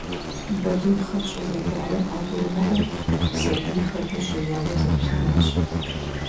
Балигъхэр щӏызэдауэр къагурымыӏуэу, сэбийхэр гужьеяуэ заплъыжащ.